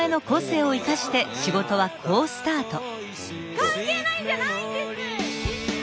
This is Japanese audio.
関係ないんじゃないんです！